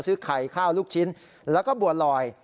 ซื้อไข่ข้าวลูกชิ้นแล้วก็บัวลอย